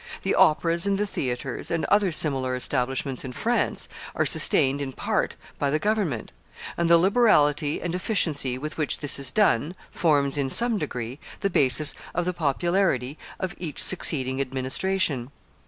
The operas and the theaters, and other similar establishments in France, are sustained, in part, by the government; and the liberality and efficiency with which this is done, forms, in some degree, the basis of the popularity of each succeeding administration.